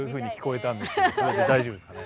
それで大丈夫ですかね？